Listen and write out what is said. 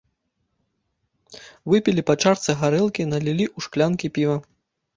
Выпілі па чарцы гарэлкі, налілі ў шклянкі піва.